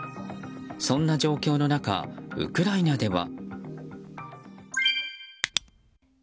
そんな状況の中、ウクライナでは。